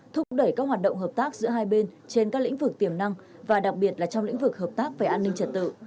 thúc đẩy các hoạt động hợp tác giữa hai bên trên các lĩnh vực tiềm năng và đặc biệt là trong lĩnh vực hợp tác về an ninh trật tự